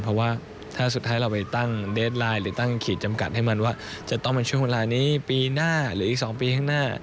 เพราะว่าถ้าสุดท้ายเราไปตั้งเดสไลน์หรือตั้งขีดจำกัดให้มันว่าจะต้องเป็นช่วงเวลานี้ปีหน้าหรืออีก๒ปีข้างหน้า